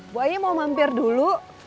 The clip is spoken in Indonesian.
bu ayu mau mampir dulu